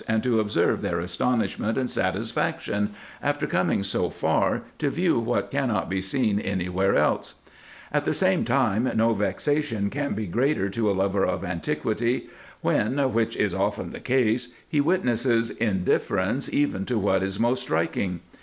193 and to observe their astonishment and satisfaction, after coming so far to view what cannot be seen any where else ; at the same time no vexation can be greater to a lover of antiqutiy, when, which is often the case, he witnesses indifference even to what is most striking.